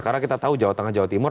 karena kita tahu jawa tengah jawa timur